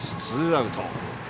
ツーアウト。